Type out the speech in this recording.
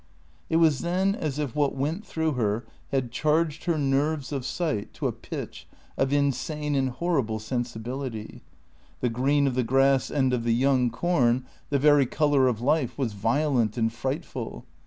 It was then as if what went through her had charged her nerves of sight to a pitch of insane and horrible sensibility. The green of the grass, and of the young corn, the very colour of life, was violent and frightful.